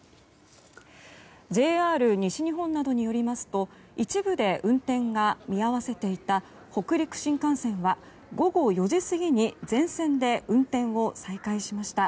ＪＲ西日本などによりますと一部で運転が見合わせていた北陸新幹線は午後４時過ぎに全線で運転を再開しました。